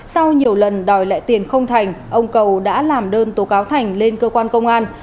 sau nhiều lần đòi lại tiền không thành ông cầu đã làm đơn tố cáo thành lên cơ quan công an